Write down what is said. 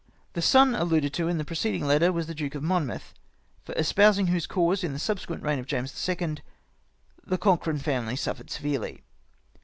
17 The " son" alluded to in the preceding letter was the Duke of Monmouth*, for espousing whose cause, in the subsequent reign of James II., the Cochrane family suffered severely.